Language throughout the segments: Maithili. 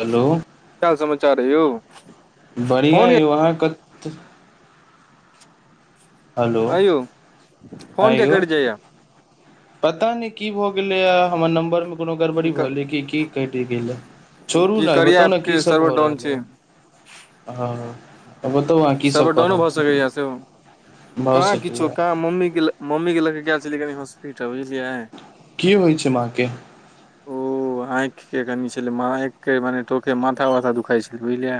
हेलो की हाल समाचार है यौ फोन बढ़िआँ किया यौ कटि जाइया अहाँके हेलो आंय यौ आँ फोन किया यौ कट जाय या पता नहि की भऽ गेलैए हमर नम्बरमे कोनो गड़बड़ी भऽले क की केट गेल छोड़ु की ने कार्या बताउ ऐप ने की के सब सर्वर भए डाउन रहल छै है ह सब डाउनो भऽ सकैए सेहो भऽ कहाँ किछो सकैए कहाँ मम्मीे मम्मी केय ल के गेल छलियै कनि हॉस्पिटल बुझलियै की होइ छै माँ के ओ आँखि के कनि छलै आँखिक के मने तोखे माथा वाथा दुखाइ छलै बुझलियै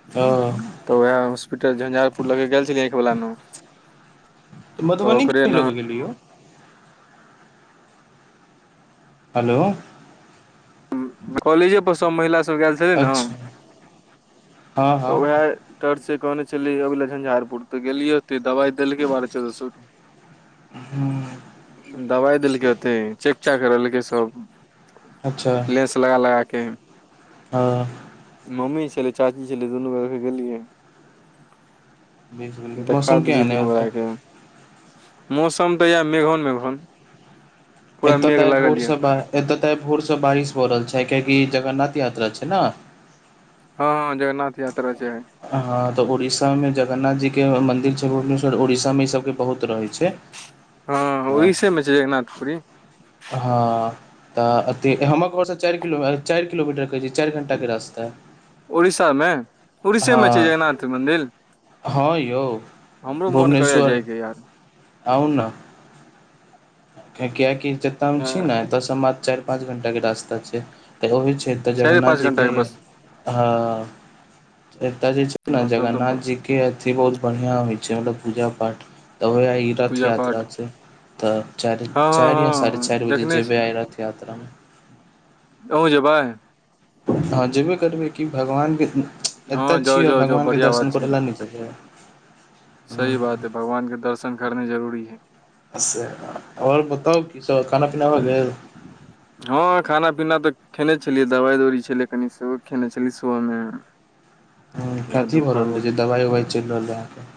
ह तऽ उएह हॉस्पिटल झंझारपुर लऽ के गेल छलियैऐंख वला नुआ मधुबनी लो के गेलियौ हेलो कॉलेजे पर सब महिला सब गेल छलै ने अच्छा हँ तऽ हँ उएह टर [unintelligible] से कहने छली अभ झंझारपुर तऽ गेलियैे दवाइ देलकै बारह चौदह सो के हँ दबाइ देलकै ओथे चेक चाक रहलकै सब अच्छा लगा लगाके ह मम्मी छलै चाची छलै दुनू गके गेलियै बीस गेलै। देखा मौसम देलियै केहन अइ दुनू ओतऽ गोरेकके मौसम तऽ इएह मेघन मेघन एतय तऽ भोरसँ एतय तऽ भोर से बारिश भ रहल छै किआकि जगन्नाथ यात्रा छै ने हँ हँ जगन्नाथ यात्रा छै ह तऽ उड़ीसा मे जगन्नाथ जी के मंदिर छै उड़ीसा मे ई सबके बहुत रहे छै हँ तऽ ओड़िसा मे छै जगनाथपुरी हँ तऽ एतेक हमर घरसँ चारि क चारि किलोमीटर कहैत छैय चारि घण्टाके रास्ता उड़ीसामे उड़ीसेमे छै हँ जगरन्नाथ मन्दिर हँ यौ हमरो मोन करै जायके यार अउना कियाकि जतय हम छी ने एतयसँ मात चारि पाँच घंटा के रास्ता छै तऽ ओहि छै चारि जगरन्नाथ पाँच जी घंटा के बस ह ए जे छै हँ तब तऽ जगन्नाथ जी के बहुत बढ़िया होइ छै मतल पूजा पाठ तऽ हो ई रथ पूजा पाठ यात्रा छै तऽ चार हँ चार या हँ साढ़े हँ चारि बजे देखने जेब छी आइ रा यात्रामे अहूँ जेबै हँ जेबे करबै कि भगवानके हँ एतऽ जाउ छियै जाउ जाउ भगवानके बढ़िया बात दर्शन छै करै लए नहि चलै सही बात है भगवानके दर्शन करने जरूरी है ओर बताउ किस खाना पीना ब गेलै हँ खाना पीना खेने छलियै दबाइ दौरी छलै कनि सेहो खेने छलियै सुबहमे ह कथी भऽ रहल रहै जे दवाइ उवाइ चलि रहल रहै अहाँकेँ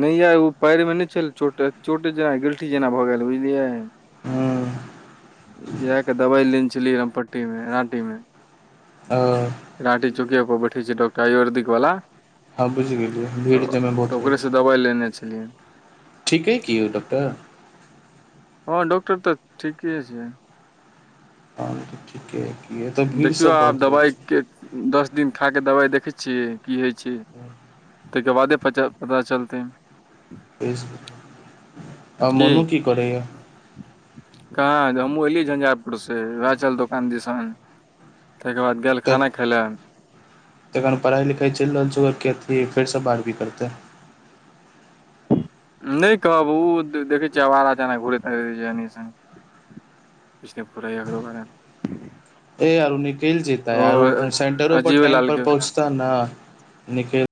नहि य ओ पयर में नहि छलोट चोटे जेना गिलठी जेना भ गेल बुझलियै अहाँके इएहके दबाइ लेने छलियी हमपट्टी मे राँटी मे ओ। राँटी चौकि पर बैठे छै डॉक्टर आयुर्दिक वला ह बुझि गेलियै भीड़ तमे बहुत रहै ओकरेसँ छै दबाइ लेने छलियै। ठीके कऽ यौ डॉक्टर ह डॉकटर तऽ ठीके छै तऽ ठीके की एतऽ भीड़ देखियौ सभ आब बहुत रहै दवाइ छै के दस दिन खा कऽ दबाइ देखै छियै की होइत छै। त के बादे प पता चलते आ मोनो कि करैय कह हमू अलिय झञंझारपुर से चल दोकान दिशान ताहिके बाद गेल खाना खा लऽ तऽ खन पढ़ाइ लिखाइ चलि रहल छै ओकरर अी फेरसँ बारबी करतै नहि कहब ओ देखै छै आरा जना घ बिसने पुरै अगरोर यारू निखिल जीता है यार अ- सेंटरो पर अजीबे टाइम लाल पर के पहुँच नाम निखेल।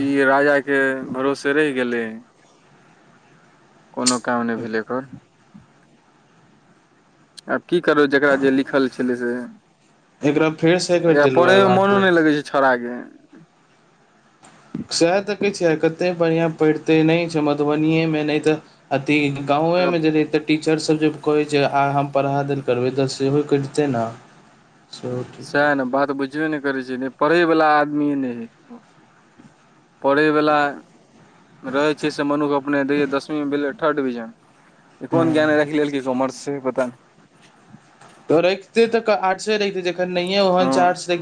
ई राजा के भरोसे रहि गेलै कोनो काम नहि भेले एकर आब कि करबे जेकरा जे लिखल छलै से फेरसँ एक बेर एकरा पढ़े दिलवाएब मे अहाँ मनो नहि ट्वेल्थ लगै छै छौड़ा के सैह तऽ कहय छै आय कते बढ़िया पढ़िते नहि छै मधुबनी मे नहि तऽ अथी गावे ओकरा मे जे रहै तऽ टीचर सभ जे कहै छै आ हम पढ़ा देल करबै तऽ सेहो करतै न सेह न बात बुझ नहि करै छै ता नहि पढ़ै वाला आदमी नहि है पढ़ै वला रहै छीयै से मनु के अपने दै दसमी मे भेलै थर्ड डिविजन एक कोन हँ ज्ञान राखि लेलऽ कय कॉमर्स से पता नहि त रखते ता हँ निकलि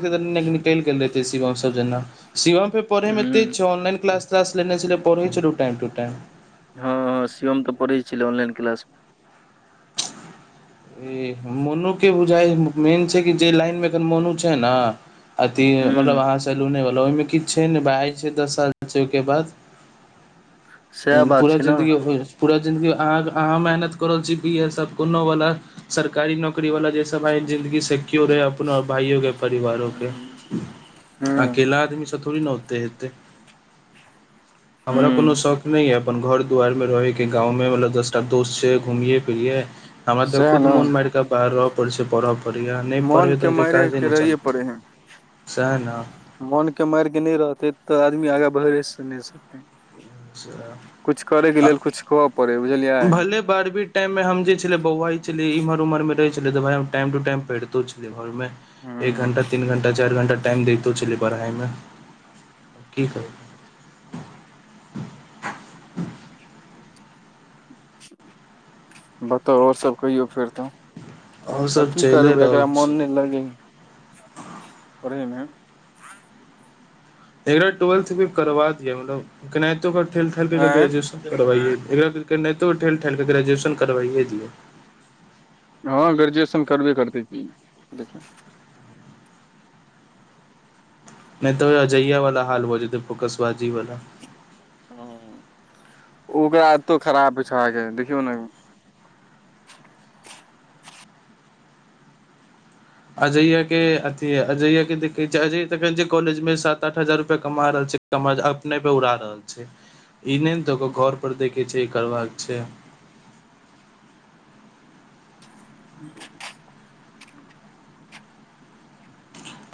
गेल रहतै शिवम सभ जेना शिवम फेर पढ़े मे हूँ तेज छई ऑनलाइन क्लास तलाश लेने छलय पढ़ई छै टाइम टू टाईम ह ह शिवम तऽ पढ़ै छलै ऑनलाइन क्लास मे [unintelligible] ई मोनू के बुझाइ मेन छै कि जे लाइन मे एखन मोनू छै ने। अथी मे मतलब हूँ अहाँ सेलूने वला ओहिमे किछु छै ने भाई छै। दस साल छै ओएके बाद सएह बात पूरा छै नऽ जिंन्दगी पूरा जिंदगी अह अहाँ मेहनत कर रहल छी ई है सभ कोनो वाला सरकारी नौकरी नौकरी वाला जे सभ आय जिंन्दगी सिक्योर है अपना भाइय के परिवारो के हूँ अकेला आदमी से थोड़ी न ओते हेते हमरा कोनो हूँ शौक ने या अपन घर दुआर मे रहै के गावे मतलब दस टा दोस्त छै घूमियए फिरिये हमरा ते सएह खुद नऽ मन मारिके बाहर रह परे छै पढ़ परे बढ़िया नहि मोन पढ़बै के तऽ ए जे मारे काजे के नहि रहैये चलतै पड़ै हइ सेह ने मोन के मार के नहि रहतै तऽ आदमी आगा बढ़े से नहि सकतै। कुछ करै के लेल कुछ खोअ पड़ै बुझलियै बारहवी टाइम मे हम जे छलै बौआय छलयै इमहर उमहर मे रहै छलिए तऽ भाए हम टाइम टू टाइम पढ़ितो छलियै घर मे एक घण्टा हूँ तीन घण्टा चैर घण्टा टाइम देतौ छलिए पढ़ाई मे की करू बताउ ओ सब कहियौ फेर तऽ आओर आ सब की चलिए करबै रहल एकरा मोन छै नै लगै पढ़ैमे एकरा ट्वेल्थ भी करबा दियौ न केनातो ठेल ठाएल क आँय ग्रेजुएशन करबा दियो एकरा केन्हैतो ठेल ठाएल क ग्रेजुएशन करबाइे दियौ हँ ग्रेजुएशन करबे करतै की देखी नै त अजैया वाला हाल भ जेतै फोकसबाजी वाला हू ओकरा आदतो खराब छै छोराके देखियौ न अजैया के अथी अजैया के देखे छै अजैया त छै कॉलेज मे सात आठ हजार रुपैया कमा रहल छै ट मज अपने प उड़ा रहल छै ई नै ने त घर पर देखै छै ई करबाक छै [inaudible]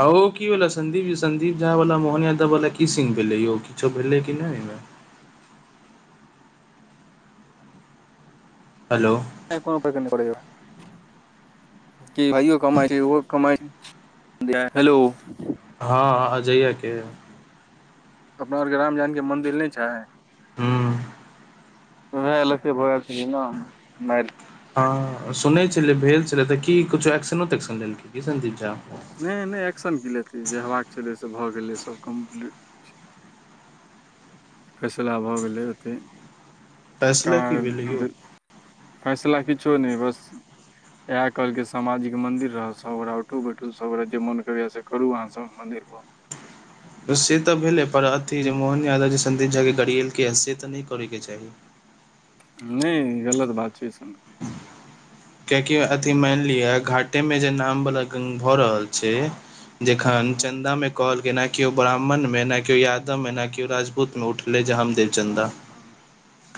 आ ओ की भेलै संदीप जी संदीप झा वला मोहन यादव वाला की सिन भेलै यौ किछो भेलै कि नै ओहिमे हलो [unintelligible] की भइयो कमाय छै ओहो कमाइ है हेलो हँ हाँ अजैया के अपना आओरके रामजानकी मंदिल नय छाय हूं वेह [unintelligible] हँ सुनै छलै भेल छलै तऽ की किछो एक्शनो तेक्शनो लेलकै की संदीप झा नय नय नय एक्शन की लेतै जे हेबाक छलै से भऽ गेलै सब कम्प्लीट फेसला भऽ गेलै ओतैय फैसला की भेलै यौ फैसला किछो नै बस एहा कहलकै सामाजिक मंदिर रहत सब गोटा औठु बैठु सब गोरा जे मोन करैया से करु अहाँ सब मंदिर प से तऽ भेलै पर अथी जे मोहन यादव जी सन्दिग के गड़ियेलकै हन से तऽ नै करे के चाही। नय गलतऽ बात छै सन। ह [inaudible] कियाकि अथी माएन लिअ घाटे मे जे नाम वाला गंग भऽ रहल छै। हँ जेखन हँ चन्दा मे कलहकैन कि केओ ब्राह्मणमे न केओ यादवमे न केओ राजपूतमे उठलै जे हमदैव हँ चन्दा हँ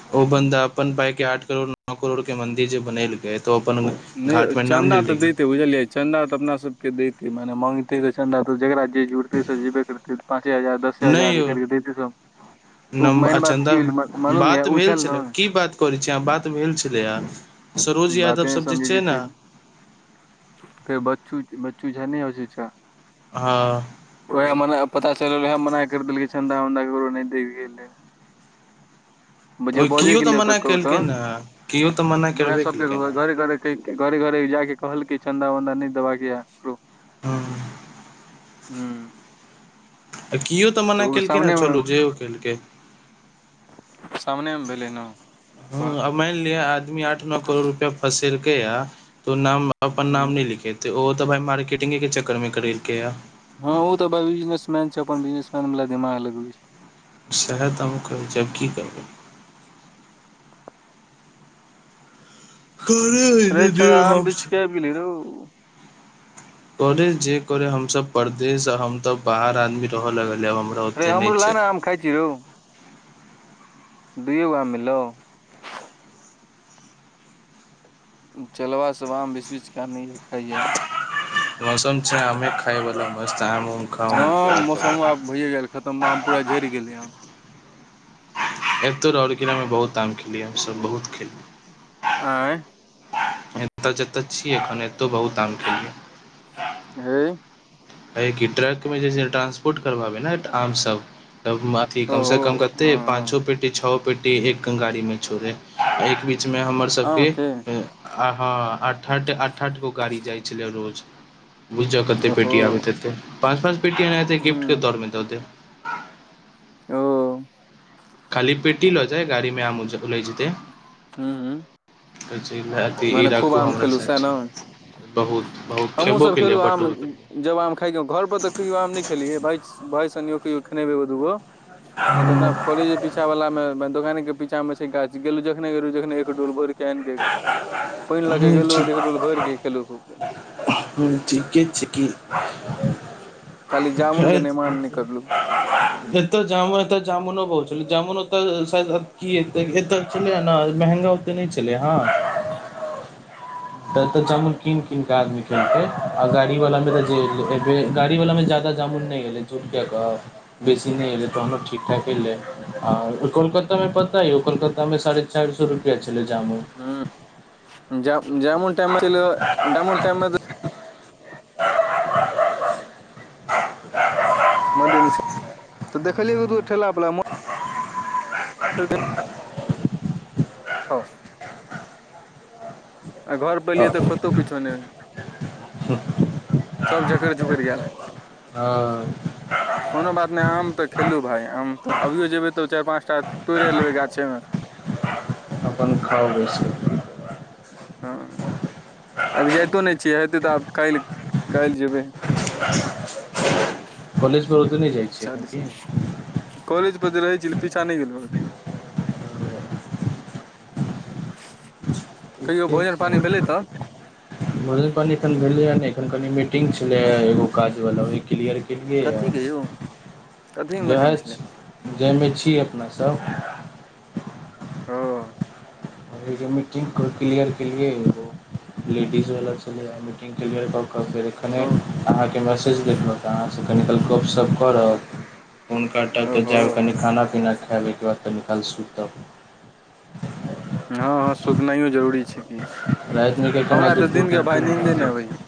हँ। ओ बन्दा अपन बायके जे आठ करोड़ नो करोड़ के मन्दिर जे बनेलकै तओ अपन नय घाटमे नाम चन्दा तऽ लेलकै दैते बुझलियै चन्दा तऽ अपना सबके देतै मने माँगतै तऽ चन्दा तऽ जकरा जे जुड़तै से जेबे करतै तऽ पाँचे हजार दसे नहि हजार यौ करिक दैतै सब ओ नम मैन बात चन्दा की भैलै मालूम बात य ओ भेल चल न छलै की बात करै छै आहाँ बात भेल छलै या सरोज बाते यादव नहि सब जे समझे छै न। फेर फेर बच्चू बच्चू झा नय [unintelligible] हाँ ओएह मना पता चलल रहा मना करि देलकै चन्दा वन्दा ककरो नय देल गेल रहै जे ओ बजैे किओ गेलैय तऽ मना कहु केलखिन हँ किओ मना तऽ वह करबे सब केलकै ने। घरे घरे घरे घरे जाक कहलक चन्दा वन्दा नय देबाक य हटू आ [unintelligible] हूं आ किओ तऽ मना केलकै ने सामने मे चलू जे ओ केलकै सामने मे भेलै ने ह आ मान लिअ आदमी आठ नो करोड़ रुपया फसेलके या तो नाम अपन नाम बात नै लिखेते तऽ ओ तऽ भाइ मार्केटिंगेके चक्करमे करेलकैए हँ ओ तऽ भाय बिजनेसमैन छै अपन बिजनेसमैन दिमाग लगबे छै सेहा त हम कहै छी आब की करबै कररे [unintelligible] रे छोड़ा आम बिछके आबि गेलहिन रो करे जे करे हमसब परदेस आ हम तब बाहर आदमी रहऽ लगलै आब हमरा रे ओते हमरो नहि ला छै ने आम खाय छी रौ दुइगो आम मिललौ चेलबा सब आम बिछ बिछके आनैए खाइयए। मौसम छै आमे खाय वाला मस्त आम खाउ हाँ एन्जॉय मौसमो करू आब भइए गेल खतम आम पूरा झरि गेलै हन एब तो र आओर किलामे बहुत आाम खेलियै हमसभ बहुत खेललियै आँय एतऽ जत्ता छी एखन एत्तौ बहुत आम खेलिए हय हय कि ट्रकमे जे से ट्रांसपोर्ट करबाबे ने आम सब तब अथी कम से ओहो कम कते हँ पांचो पेटी छओ पेटी एक गाड़ी में छोड़े एकी बीच मे हमर आम सबके के आ ह आठ आठ आठ गो गाड़ी जाय छले रोज बुझ जा कते ओहो पेटी आब पाँच पाँच बेटी एनहिते गिफ्ट हूँ के तौर मे दो देब। ओ खाली पेटी लऽ जाय गाड़ी मे आम ले जेते हूँ तऽ ई मने खूब राखू आम हमरा खेलू सा सैह न बहुत बहुत हमहुँ खेबो सब खेलु केलिए आम बटूबौ केलिए जब आम खाइके घर पर त कहियो आम नहि खेलियै भायसंग कहियओ खेने हेबे एगो दूगो नहि तऽ अपने कॉलज पीछा पीछा वाला मे दोकान के पीछा मे छै गाछ गेलु जखने गेलु जखने एक डोल भरि केनि पानि लए क हूँ गेलहु ठीक एक डोल भरि गेल खेलु खूबक दुर्जी किछ की [inaudible] खाली जामुन के नेमान नहि करलु आ [inaudible] एतऽ जामुन एतऽ जामुनो बहुत छलै जामुनऽ की ए एऽ छलै ने महंगा तऽ नै चलै ह त तऽ जामुन कीन कीन के आदमी खेलकै आ गाड़ी वाला मे तऽ जे गाड़ी वालामे जादा जामुन नै एलेय झूट किया कहब बेसी नै एलैय तहन ठीक ठाक एलैय आ कोलकातामे पता अय कोलकातामे साढे चारि सए रुपैया छलैय जामुन ह जा जमुन टाइम जामुन टाइम मंदिर [inaudible] दिस देखलियै दू गो ठेला बला चल [inaudible] गे किछ देखाउ घर पर हँ एलियै तऽ कतहु किछो नै सब झकड़ि झुकरि गेल ह कोनो बात नै आम तऽ खेलहु भाय आम तऽ अभियो जयबै तऽ चारि पाँच टा तोड़ि लेबैय गाछेमे आ ओ सब [inaudible] ह अभी जाइतो नै छियै हेतै तऽ आब काल्हि काल्हि जेबैय कालेज पर [unintelligible] त नै जैभी पीछा दिस कालेज पर जे रहै छी पीछा नै गेलो कहियो ठीके भोजन पानि छै भेलैय भोजन पानि एखन भेलेयह नै एखन कनि मीटिंग छले हा एगो काज वाला ओ क्लियर बुझलियै यै कथी के यौ कथी वैह मीटिंग छलै छी जैयमे छी अपना सब ओ मीटिंग क्लियर केलि ओ लेडीज वला छलैय आइ क्लियर कऽ कऽ फेर एखने ओहो अहाके मैसेज देखलउ त अहास कनि काल गपशप करब फोन काटब तऽ ओहो जैब कनि खाना पीना खैब ओयके बाद कनि काल सुतब हँ हँ सुतनाइयो जरूरी छैय राइत मे त हमरा [unintelligible] दु दुटा नहि अबैया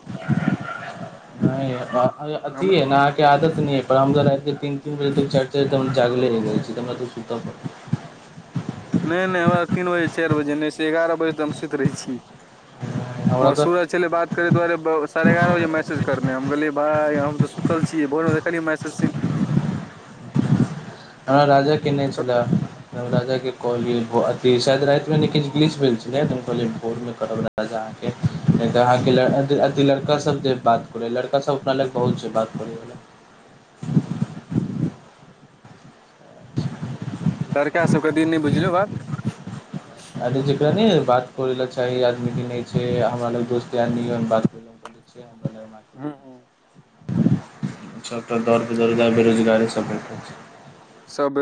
नै अथी हम अय नै आहाके आदत नै अय बरामदा पर राखि दैयतीन दु बजे चार- चार तक हम जागले रैह जाय छी त हमरा तऽ सुतऽ परत नै नै हमरा तीन बजे चार बजे नै से एगारह बजे तऽ हम सुत रहै छी पड़त हमरा हमर तऽ सुरज चलै बात करै दुआरे साढ़े एगारह बजे मैसेज करमे हम कहलियै भाइ हम तऽ सुतल छी भोरमे देखलियै मैसेज हमरा राजा केने कत छलैह नव राजा के कहलिय अ सायद रा मे नलिच भेल भोर मे कर राजा के नहि तऽ अहाँके लड़कासभ जे बात करै लड़कासभ अपना लग बहुत छै बात करै। लड़का सबके दिन नहि बुझलहु आरे जेकरा ने बात करे ला चाही आदमी की नहि छै हमरा लग दोस्त यार बात [unintelligible] से हम [inaudible] सभटा दौर [inaudible] बेदरोजगार बेरोजगारीसभ भेटैत छै। सब [unintelligible]